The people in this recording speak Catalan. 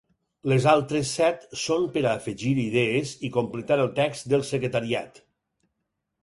Les altres set són per a afegir idees i completar el text del secretariat.